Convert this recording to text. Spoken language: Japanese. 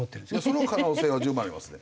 その可能性は十分ありますね。